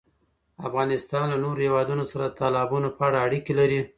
افغانستان له نورو هېوادونو سره د تالابونو په اړه اړیکې لري.